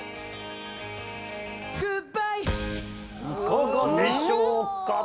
いかがでしょうか？